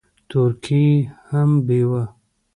تورکى يې هم بېوه.